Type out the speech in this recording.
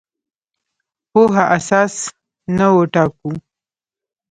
پوهه اساس نه وټاکو.